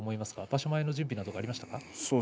場所前の準備などありましたか。